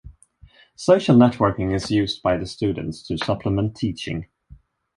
Social networking is used by the students to supplement teaching.